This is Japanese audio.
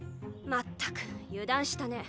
まったく油断したね。